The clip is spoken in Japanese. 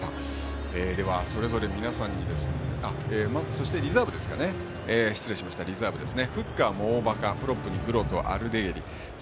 そして、リザーブです。